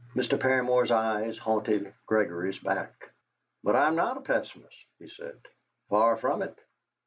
Mr. Paramor's eyes haunted Gregory's back. "But I am not a pessimist," he said. "Far from it.